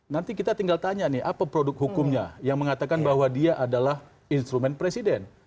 nanti kita tinggal tanya nih apa produk hukumnya yang mengatakan bahwa dia adalah instrumen presiden